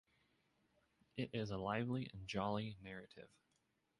It is a lively and jolly narrative.